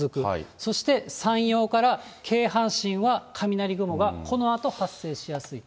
そして山陽から京阪神は、雷雲がこのあと発生しやすいと。